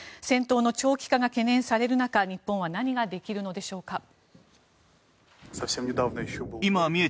戦闘の長期化が懸念される中日本は何ができるのでしょうか。